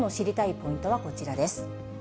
ポイントはこちらです。